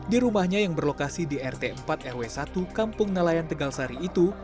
di rumahnya yang berlokasi di rt empat rw satu kampung nelayan tegalsari itu